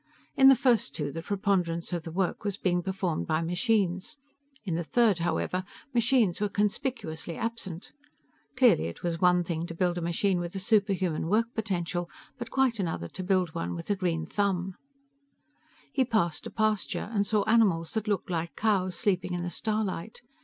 In the first two the preponderance of the work was being performed by machines. In the third, however, machines were conspicuously absent. Clearly it was one thing to build a machine with a superhuman work potential, but quite another to build one with a green thumb. He passed a pasture, and saw animals that looked like cows sleeping in the starlight.